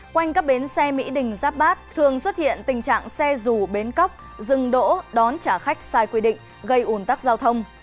quanh các bến xe mỹ đình giáp bát thường xuất hiện tình trạng xe dù bến cóc dừng đỗ đón trả khách sai quy định gây ủn tắc giao thông